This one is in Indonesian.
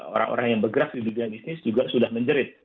orang orang yang bergerak di dunia bisnis juga sudah menjerit